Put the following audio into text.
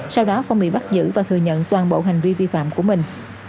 sau đó phong bị bắt giữ và thừa nhận toàn bộ hành vi vi phạm của mình